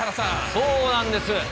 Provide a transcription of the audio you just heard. そうなんです。